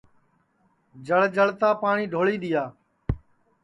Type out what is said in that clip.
جݪ جݪتا پاٹؔی ڈھولی دؔیا